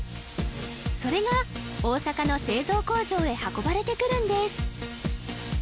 それが大阪の製造工場へ運ばれてくるんです